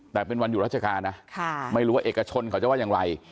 แต่เป็นวันหยุดราชการนะไม่รู้ว่าเอกชนเขาจะว่าอย่างไร